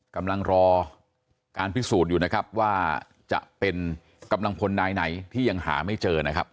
กำลังรอการพิสูจน์อยู่นะครับว่าจะเป็นกำลังพลนายไหนที่ยังหาไม่เจอนะครับ